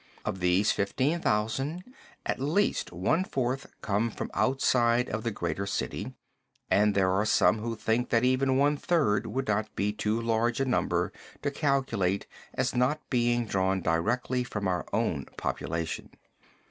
Of these fifteen thousand at least one fourth come from outside of the greater city, and there are some who think that even one third would not be too large a number to calculate as not being drawn directly from our own population.